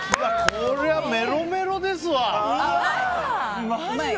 これはメロメロですわ。